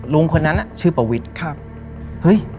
ลุงคนนั้นเนี่ย